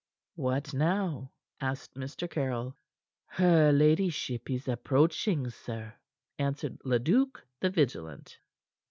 "What now?" asked Mr. Caryll. "Her ladyship is approaching, sir," answered Leduc the vigilant.